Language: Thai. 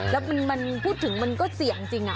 แล้วมันพูดถึงมันก็เสี่ยงจริง